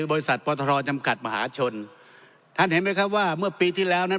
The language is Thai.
บริษัทปทจำกัดมหาชนท่านเห็นไหมครับว่าเมื่อปีที่แล้วนั้น